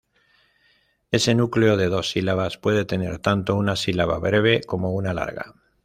Ese núcleo de dos sílabas puede tener tanto una sílaba breve como una larga.